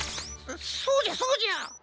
そそうじゃそうじゃ！